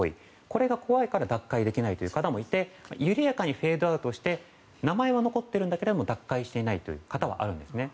それが怖いので脱会できない方も多くて緩やかにフェードアウトして名前は残ってるんだけども脱会していないということはあるんですね。